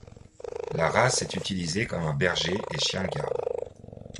La race est utilisée comme un berger et chien de garde.